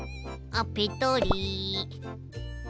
あっペトリ。